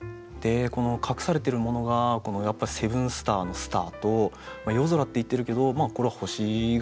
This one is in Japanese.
この隠されてるものがやっぱ「セブンスター」の「スター」と「夜空」って言ってるけどこれは「星」が隠されてますよね。